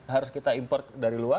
harus kita import dari luar